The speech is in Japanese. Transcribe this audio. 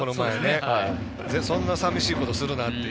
そんなさみしいことするなって。